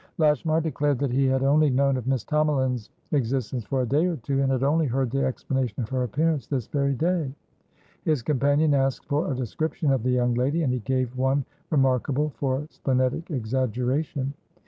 Lashmar declared that he had only known of Miss Tomalin's existence for a day or two, and had only heard the explanation of her appearance this very day. His companion asked for a description of the young lady, and he gave one remarkable for splenetic exaggeration.